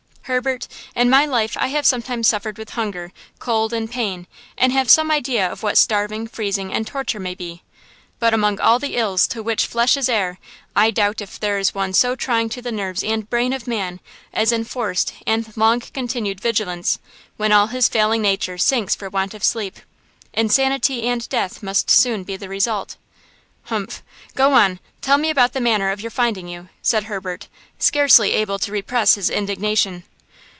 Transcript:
"Herbert, in my life I have sometimes suffered with hunger, cold and pain, and have some idea of what starving, freezing and torture may be, but among all the ills to which flesh is heir, I doubt if there is one so trying to the nerves and brain of man as enforced and long continued vigilance, when all his failing nature sinks for want of sleep. Insanity and death must soon be the result." "Humph! Go on. Tell me about the manner of their finding you," said Herbert, scarcely able to repress his indignation.